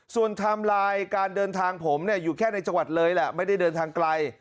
ส่วนไทม์ไลน์การเดินทางผมอยู่แค่ในจังหวัดเลยแหละไม่ได้เดินทางไกล